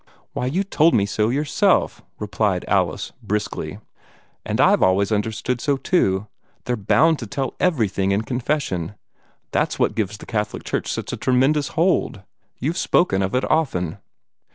"Why, you told me so yourself," replied Alice, briskly. "And I've always understood so, too; they're bound to tell EVERYTHING in confession. That's what gives the Catholic Church such a tremendous hold. You've spoken of it often."